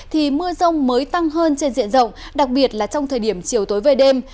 thì mưa rông mới tăng hơn trên diện rộng đặc biệt là trong thời điểm chiều tối về đêm